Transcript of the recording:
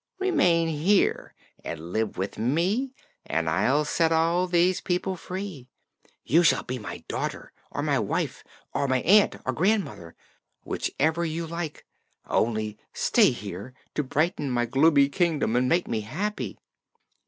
Remain here and live with me and I'll set all these people free. You shall be my daughter or my wife or my aunt or grandmother whichever you like only stay here to brighten my gloomy kingdom and make me happy!"